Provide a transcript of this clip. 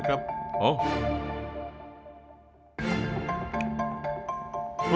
ผมทำตามวิธีของเชฟรุ่นพี่ของผมที่ผมเคยเห็นมานะครับ